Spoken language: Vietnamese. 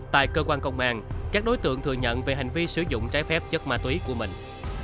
tại cơ quan công an các đối tượng thừa nhận về hành vi sử dụng trái phép chất ma túy của mình